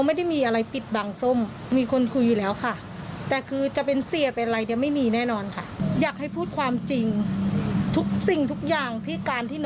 ไม่คิดว่าคนใกล้ตัวจะมาทำกับลูกแบบนี้อะไรอย่างนี้